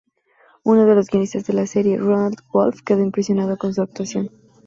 Uno de los guionistas de la serie, Ronald Wolfe quedó impresionado con su actuación.